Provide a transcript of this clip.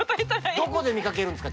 どこで見かけるんですか？